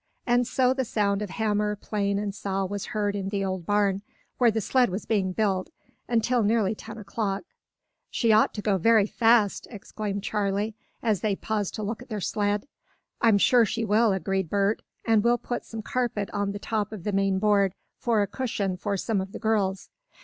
And so the sound of hammer, plane and saw was heard in the old barn, where the sled was being built, until nearly ten o'clock. "She ought to go very fast!" exclaimed Charley, as they paused to look at their sled. "I'm sure she will," agreed Bert. "And we'll put some carpet on the top of the main board, for a cushion for some of the girls."